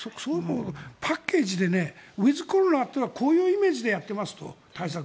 パッケージでウィズコロナというのはこういうイメージでやっていますと、対策。